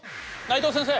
内藤先生！